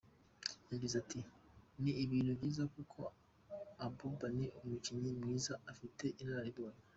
Yagize ati “Ni ibintu byiza kuko Abouba ni umukinnyi mwiza, ufite inararibonye.